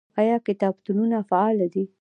آیا کتابتونونه فعال دي؟